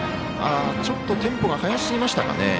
ちょっとテンポが速すぎましたかね。